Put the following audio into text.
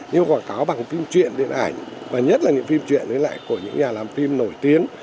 nhưng quảng cáo bằng phim truyện điện ảnh và nhất là những phim truyện của những nhà làm phim nổi tiếng